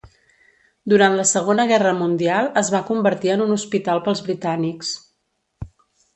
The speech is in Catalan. Durant la Segona Guerra Mundial, es va convertir en un hospital pels britànics.